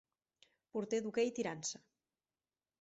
Porter d'hoquei tirant-se